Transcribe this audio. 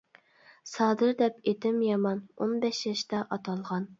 سادىر دەپ ئىتىم يامان، ئون بەش ياشتا ئاتالغان.